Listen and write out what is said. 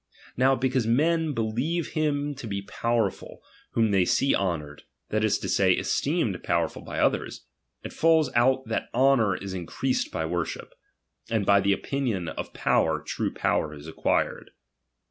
Now because men believe him to be powerful, whom they see honoured, that is to say, esteemed power ful by others ; It falls out that honour is increased by worship ; and by the opinion of power true power is acquired.